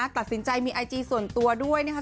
ตัดสินใจมีไอจีส่วนตัวด้วยนะครับ